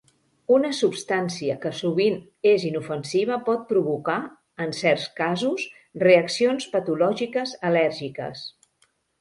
Una substància que sovint és inofensiva pot provocar, en certs casos, reaccions patològiques al·lèrgiques.